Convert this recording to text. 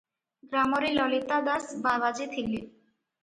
ଗ୍ରାମରେ ଲଳିତା ଦାସ ବାବାଜି ଥିଲେ ।